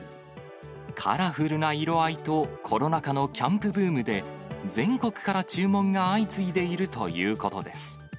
カラフルな色合いと、コロナ禍のキャンプブームで、全国から注文が相次いでいるということです。